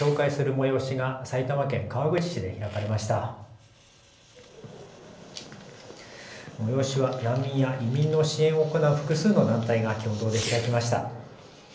催しは難民や移民の支援を行う複数の団体が共同で開きました。